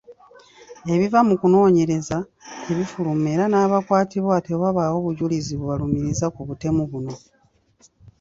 Ebiva mu kunoonyereza tebifuluma era n’abakwatibwa tewabaawo bujulizi bubalumiriza ku butemu buno .